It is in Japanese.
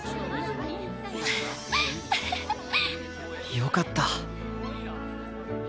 よかった